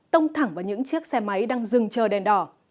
tông thẳng vào những chiếc xe máy đang dừng chờ đèn đỏ